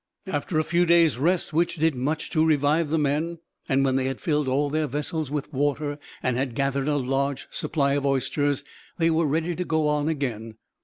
After a few days' rest, which did much to revive the men, and when they had filled all their vessels with water and had gathered a large supply of oysters, they were ready to go on again.